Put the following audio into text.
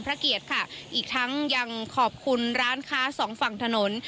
พระเกียรติค่ะอีกทั้งยังขอบคุณร้านค้าสองฝั่งถนน